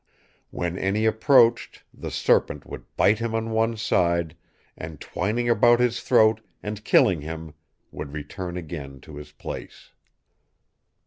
When any approached, the serpent would bite him on one side, and twining about his throat and killing him, would return again to his place.